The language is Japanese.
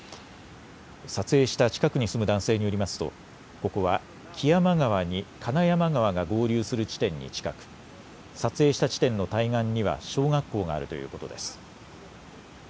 撮影した近くに住む男性によりますとここは木山川に金山川が合流する地点に近く撮影した地点の対岸には小学校があるということです。